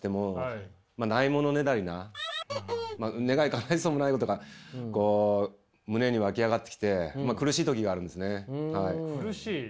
かないそうもないことが胸にわき上がってきて苦しい時があるんですね。